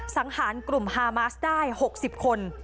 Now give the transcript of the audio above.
สังหารกลุ่มฮามาสได้๖๐คน